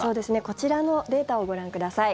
こちらのデータをご覧ください。